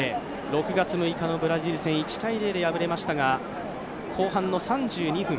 ６月６日のブラジル戦１−０で敗れましたが後半の３２分